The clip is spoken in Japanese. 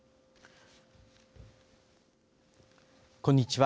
こんにちは。